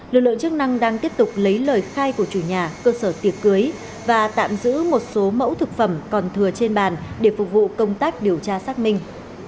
lực lượng chức năng đang tiếp tục lấy lời khai của chủ nhà cơ sở tiệc cưới và tạm giữ một số mẫu thực phẩm còn thừa trên bàn để phục vụ công tác điều tra xác minh